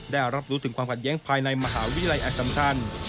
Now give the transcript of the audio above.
ได้รับรู้ถึงความขัดแย้งภายในมหาวิทยาลัยอสัมชัน